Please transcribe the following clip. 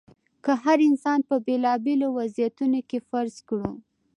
که هر انسان په بېلابېلو وضعیتونو کې فرض کړو.